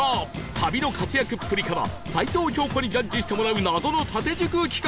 旅の活躍っぷりから齊藤京子にジャッジしてもらう謎の縦軸企画